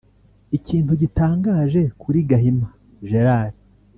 Ikintu gitangaje kuri Gahima Gerard